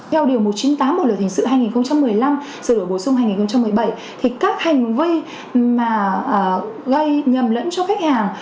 theo điều một trăm chín mươi tám bộ luật hình sự hai nghìn một mươi năm sửa đổi bổ sung hai nghìn một mươi bảy thì các hành vi mà gây nhầm lẫn cho khách hàng